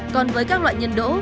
còn với các loại nhân đỗ